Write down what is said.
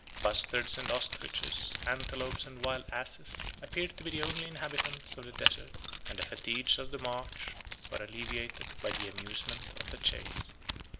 Bustards and ostriches, antelopes and wild asses, 48 appeared to be the only inhabitants of the desert; and the fatigues of the march were alleviated by the amusements of the chase."